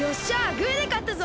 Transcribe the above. グーでかったぞ！